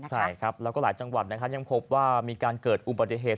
ใช่ครับแล้วก็หลายจังหวัดนะครับยังพบว่ามีการเกิดอุบัติเหตุ